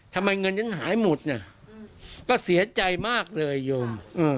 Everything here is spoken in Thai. ทำไมเงินฉันหายหมดน่ะก็เสียใจมากเลยโยม